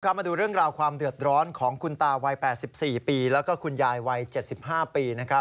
มาดูเรื่องราวความเดือดร้อนของคุณตาวัย๘๔ปีแล้วก็คุณยายวัย๗๕ปี